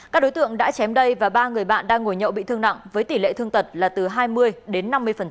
các đối tượng đã chém đây và ba người bạn đang ngồi nhậu bị thương nặng với tỷ lệ thương tật là từ hai mươi đến năm mươi